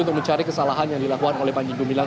untuk mencari kesalahan yang dilakukan oleh panji gumilang